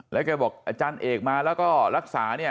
แล้วแกบอกอาจารย์เอกมาแล้วก็รักษาเนี่ย